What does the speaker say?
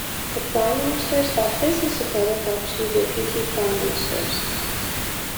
The Prime Minister's Office is supported by two deputy prime ministers.